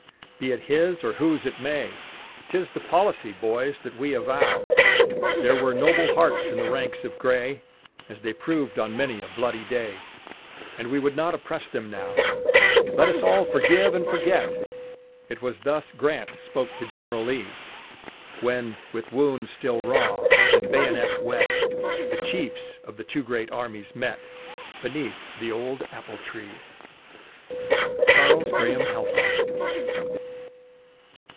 Be it his or whose it may, 'Tis the policy, boys, that we avow; There were noble hearts in the ranks of gray As they proved on many a bloody day, And we would not oppress them now. "Let us all forgive and forget:" It was thus Grant spoke to General Lee, When, with wounds still raw and bayonets wet, The chiefs of the two great armies met Beneath the old apple tree. CHARLES GRAHAM HALPINE.